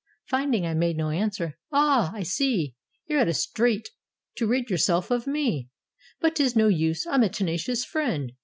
Finding I made no answer, "Ah! I see. You 're at a strait to rid yourself of me ; But 't is no use: I'm a tenacious friend.